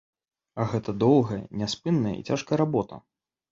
А гэта доўгая, няспынная і цяжкая работа.